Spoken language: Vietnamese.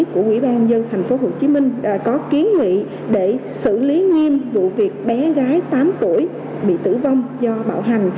của quỹ ban dân tp hcm có ký nghị để xử lý nghiêm vụ việc bé gái tám tuổi bị tử vong do bạo hành